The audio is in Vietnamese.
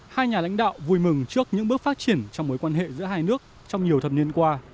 hai nhà lãnh đạo vui mừng trước những bước phát triển trong mối quan hệ giữa hai nước trong nhiều thập niên qua